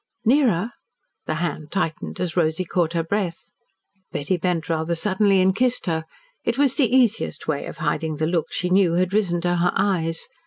"Nearer!" The hand tightened as Rosy caught her breath. Betty bent rather suddenly and kissed her. It was the easiest way of hiding the look she knew had risen to her eyes.